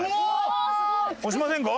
押しませんか？